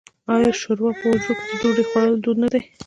آیا شوروا په حجرو کې د ډوډۍ خوړلو دود نه دی؟